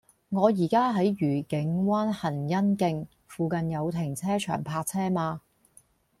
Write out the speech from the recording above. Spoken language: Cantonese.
我依家喺愉景灣蘅欣徑，附近有停車場泊車嗎